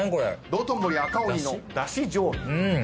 「道頓堀赤鬼」のだし醤油。